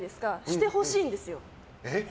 してほしいんですよ。